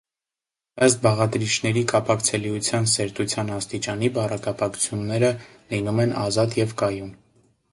Ըստ բաղադրիչների կապակցելիության սերտության աստիճանի բառակապակցությանները լինում են ազատ և կայուն։